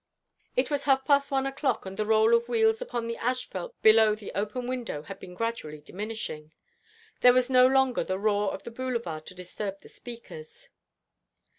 It was half past one o'clock, and the roll of wheels upon the asphalte below the open window had been gradually diminishing. There was no longer the roar of the Boulevard to disturb the speakers.